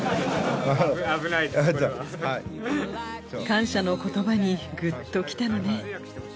感謝の言葉にグッと来たのね。